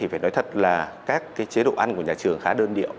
phải nói thật là các chế độ ăn của nhà trường khá đơn điệu